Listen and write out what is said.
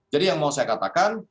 jadi yang mau saya katakan